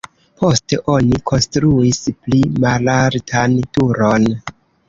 Poste oni konstruis pli malaltan turon.